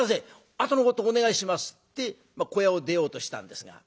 「あとのことお願いします」って小屋を出ようとしたんですが。